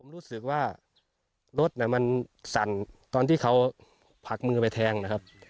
รู้สึกว่ารถมันสั่นตอนที่เขาผลักมือไปแทงนะครับ